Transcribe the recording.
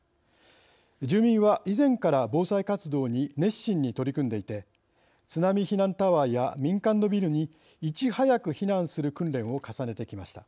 住民は以前から防災活動に熱心に取り組んでいて津波避難タワーや民間のビルにいち早く避難する訓練を重ねてきました。